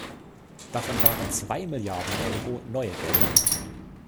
Davon waren zwei Milliarden Euro neue Gelder.